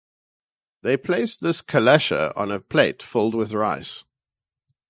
They place this kalasha on a plate filled with rice.